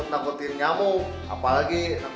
jual darah dimana